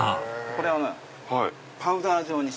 これをパウダー状にして。